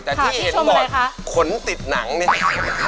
แต่ที่เห็นบ่อยขนติดหนังเนี่ย